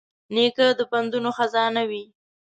نیکه د پندونو خزانه وي.